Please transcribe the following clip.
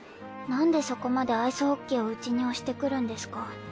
なんでそこまでアイスホッケーをうちに推してくるんですか？